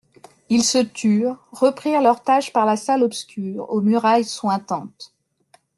Ils se turent, reprirent leur tâche par la salle obscure aux murailles suintantes.